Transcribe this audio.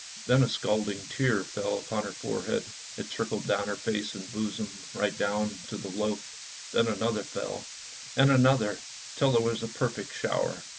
Then a scalding tear fell upon her forehead, it trickled over her face and bosom right down to the loaf; then another fell, and another, till there was a perfect shower.